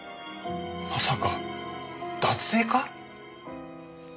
まさか脱税か？